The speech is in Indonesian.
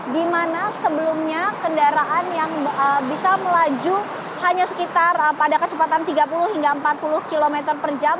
di mana sebelumnya kendaraan yang bisa melaju hanya sekitar pada kecepatan tiga puluh hingga empat puluh km per jam